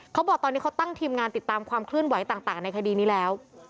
เขาบอกตอนนี้เขาตั้งทีมงานติดตามความเคลื่อนไหวต่างในคดีนี้แล้ว